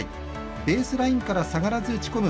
ベースラインから下がらず打ち込む